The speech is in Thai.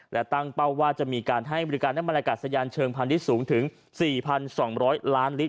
และตั้งเป้าว่าจะมีการให้บริการนักบรรยากาศสัญญาณเชิงพันธุ์ที่สูงถึง๔๒๐๐ล้านลิตร